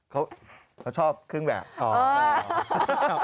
เขาชอบครึ่งแบบ